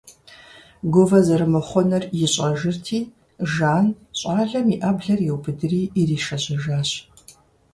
Гувэ зэрымыхъунур ищӀэжырти, Жан щӀалэм и Ӏэблэр иубыдри иришэжьэжащ.